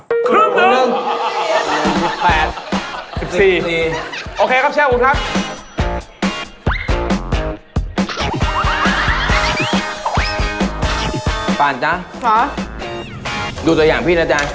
พี่ไปอุดฟันได้บ้างนะ